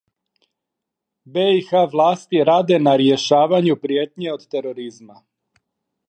БиХ власти раде на рјешавању пријетње од тероризма